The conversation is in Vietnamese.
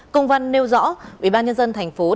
công văn nêu rõ ủy ban nhân dân tp hcm